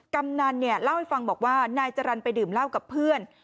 กำนันเนี่ยเล่าให้ฟังบอกว่านายจรรย์ไปดื่มเหล้ากับเพื่อน